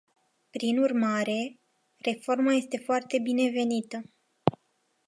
Prin urmare, reforma este foarte binevenită.